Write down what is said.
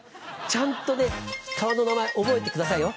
ちゃんとね川の名前覚えてくださいよ。